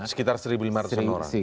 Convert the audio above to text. sekitar satu lima ratus an orang